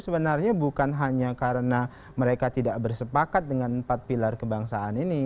sebenarnya bukan hanya karena mereka tidak bersepakat dengan empat pilar kebangsaan ini